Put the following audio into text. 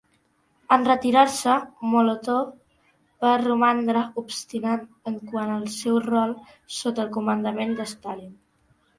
En retirar-se, Molotov va romandre obstinat en quant al seu rol sota el comandament de Stalin.